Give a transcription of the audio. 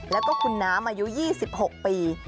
แล้วก็คุณน้ำอายุ๒๖ปี